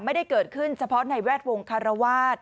ไม่ได้เกิดขึ้นเฉพาะในแวดวงคารวาส